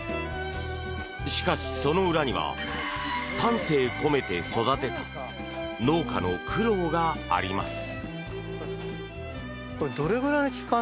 しかし、その裏には丹精込めて育てた農家の苦労があります。